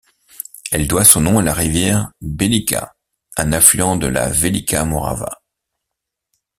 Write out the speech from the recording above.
Elle doit son nom à la rivière Belica, un affluent de la Velika Morava.